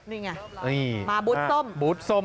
นี่ไงมาบูดส้ม